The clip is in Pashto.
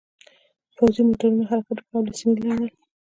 پوځي موټرونو حرکت وکړ او له سیمې لاړل